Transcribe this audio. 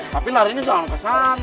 tapi larinya jangan ke sana